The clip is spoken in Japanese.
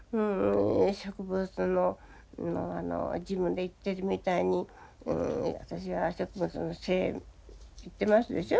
植物の自分で言ってるみたいに私は植物の精って言ってますでしょ。